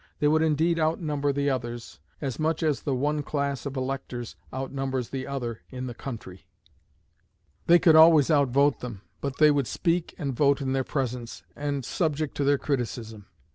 They would indeed outnumber the others, as much as the one class of electors outnumbers the other in the country: they could always outvote them, but they would speak and vote in their presence, and subject to their criticism.